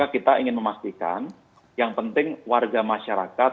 kita ingin memastikan yang penting warga masyarakat